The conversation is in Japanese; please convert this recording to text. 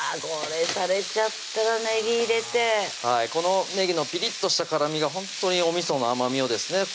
これされちゃったらねぎ入れてこのねぎのピリッとした辛みがほんとにおみその甘みをですね